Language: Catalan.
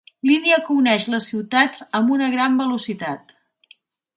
Línia que uneix les ciutats amb una gran velocitat.